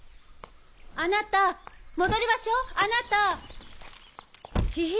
あなた戻りましょうあなた。